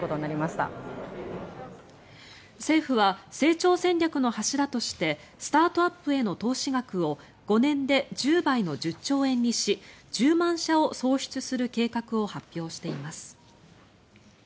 政府は成長戦略の柱としてスタートアップへの投資額を５年で１０倍の１０兆円にし１０万社を創出する計画を発表しています。